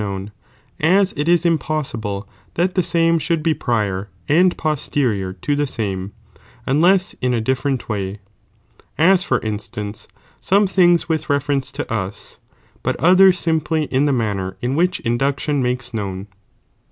liHown, as it is impossible tliat the same should be priorand posterior to tlie same, unless in a different way, as for iaatance, some tilings with reference to us, but others simply in the manner in which induction makea 'i?ii!^T^h^ known.